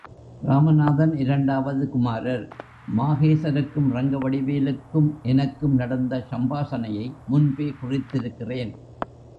ராமநாதன் இரண்டாவது குமாரர் மாஹேசருக்கும், ரங்கவடிவேலுக்கும் எனக்கும் நடந்த சம்பாஷணையை முன்பே குறித்திருக்கிறேன்.